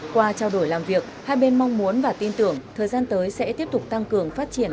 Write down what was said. qua trao đổi làm việc hai bên mong muốn và tin tưởng thời gian tới sẽ tiếp tục tăng cường phát triển